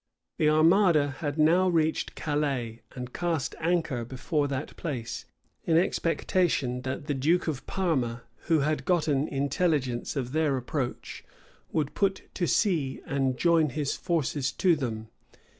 The armada had now reached Calais, and cast anchor before that place, in expectation that the duke of Parma, who had gotten intelligence of their approach, would put to sea and join his forces to them.